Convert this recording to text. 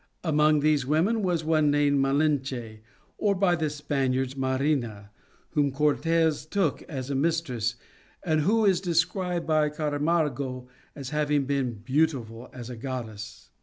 Among these women was one named Malinche, or by the Spaniards Marina, whom Cortes took as a mistress and who is described by Camargo as having been "beautiful as a goddess."